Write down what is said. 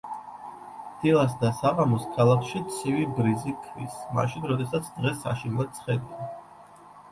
დილას და საღამოს ქალაქში ცივი ბრიზი ქრის, მაშინ, როდესაც დღე საშინლად ცხელია.